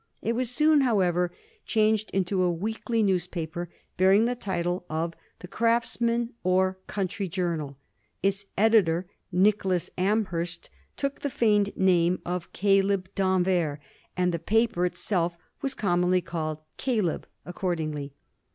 It was soon, however, changed into a weekly newspaper bearing the title of the Craftsman or Country Journal. Its editor, Nicholas Amhurst, took the feigned name of Caleb D'Anvers, and the paper itself was com monly called Caleb accordingly.